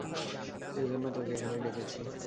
এজন্য তোকে এখানে ডেকেছি।